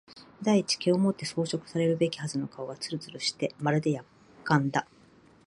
第一毛をもって装飾されるべきはずの顔がつるつるしてまるで薬缶だ